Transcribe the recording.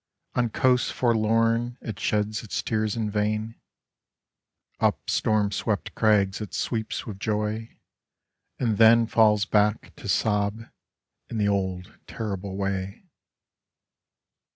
On coasts forlorn it sheds its tears in vain; Up storm swept crags it sweeps with joy, and then Falls back to sob in the old terrible way.